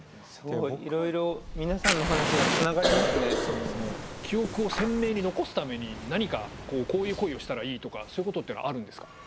すごいいろいろ記憶を鮮明に残すために何かこういう行為をしたらいいとかそういうことってのはあるんですか？